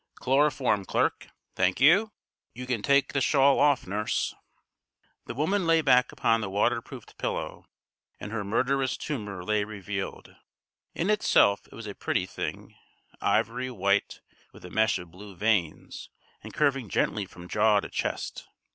Chloroform, clerk! Thank you! You can take the shawl off, nurse." The woman lay back upon the water proofed pillow, and her murderous tumour lay revealed. In itself it was a pretty thing ivory white, with a mesh of blue veins, and curving gently from jaw to chest.